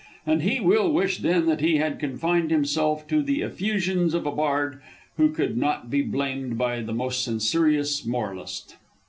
And he will wish then that he had confined himself to the effusions of a bard who could not be blamed by the most censorious moralist.